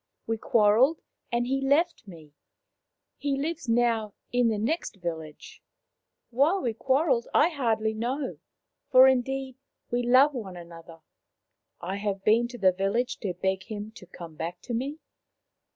" We quarrelled, and he left me. He lives now in the next village. Why we quar relled I hardly know, for indeed we love one another. I have been to the village to beg him to come back to me.